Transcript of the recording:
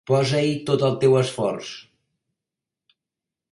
Posa-hi tot el teu esforç.